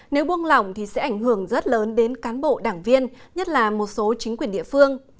nếu buông lỏng thì sẽ ảnh hưởng rất lớn đến cán bộ đảng viên nhất là một số chính quyền địa phương